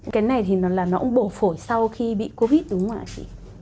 cái này thì nó là nó cũng bổ phổi sau khi bị covid đúng không ạ chị